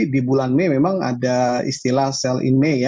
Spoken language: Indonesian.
di bulan mei memang ada istilah sell in may ya